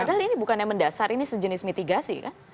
padahal ini bukan yang mendasar ini sejenis mitigasi kan